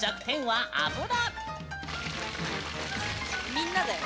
みんなだよ。